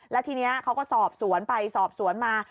แล้วทีนี้เขาก็สอบสวนไปสอบสวนมา